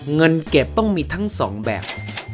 เงินเก็บต้องมีทั้งสองแบบ